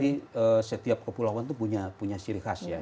jadi setiap kepulauan itu punya ciri khas ya